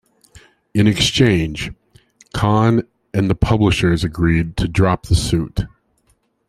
In exchange, Cahn and the publishers agreed to drop the suit.